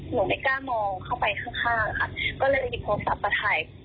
หนูไม่กล้ามองเข้าไปข้างค่ะก็เลยหยิบโทรศัพท์มาถ่าย